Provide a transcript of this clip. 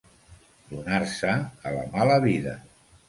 Donar-se a la mala vida.